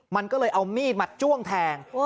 มันก็เลยเอามีดมาจ้วงแทง